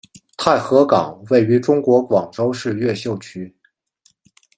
太和岗位于中国广州市越秀区。